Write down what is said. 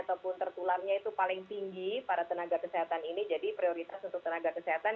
ataupun tertularnya itu paling tinggi para tenaga kesehatan ini jadi prioritas untuk tenaga kesehatan